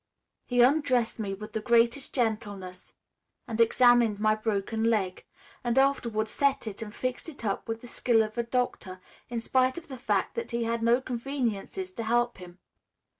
He undressed me with the greatest gentleness and then examined my broken leg, and afterward set it and fixed it up with the skill of a doctor, in spite of the fact that he had no conveniences to help him.